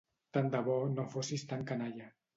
Tant de bo no fossis tan canalla.